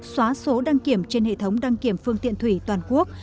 xóa số đăng kiểm trên hệ thống đăng kiểm phương tiện thủy toàn quốc